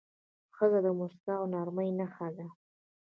ښځه د موسکا او نرمۍ نښه ده.